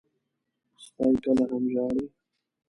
سپي کله هم ژاړي.